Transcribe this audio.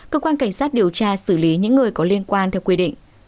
cơ quan cảnh sát điều tra xử lý những người có liên quan theo quy định